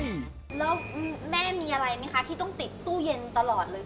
แล้วแม่มีอะไรไหมคะที่ต้องติดตู้เย็นตลอดเลย